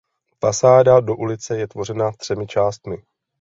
Fasáda do ulice je tvořena třemi částmi.